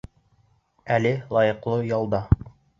Әле лайыҡлы ялда.